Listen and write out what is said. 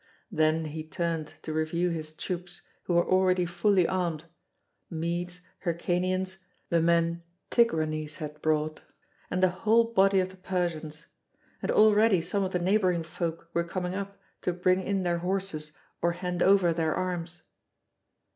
Then he turned to review his troops, who were already fully armed, Medes, Hyrcanians, the men Tigranes had brought, and the whole body of the Persians. And already some of the neighbouring folk were coming up, to bring in their horses or hand over their arms.